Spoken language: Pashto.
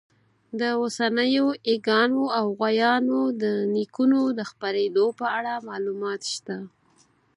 د اوسنیو ییږانو او غویانو د نیکونو د خپرېدو په اړه معلومات شته.